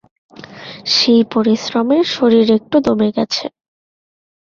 সেই পরিশ্রমে শরীর একটু দমে গেছে।